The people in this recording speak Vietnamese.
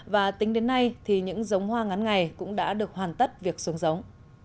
và tính đến nay thì những giống hoa ngắn ngày cũng đã được hoàn tất việc xuống giống